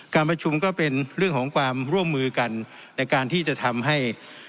การประชุมก็เป็นเรื่องของความร่วมมือกันในการที่จะทำให้